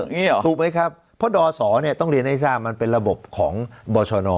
เพราะดอสอเนี่ยต้องเรียนให้ทราบมันเป็นระบบของบอชน